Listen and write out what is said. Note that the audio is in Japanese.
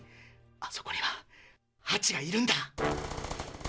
あそこにはハチがいるんだ。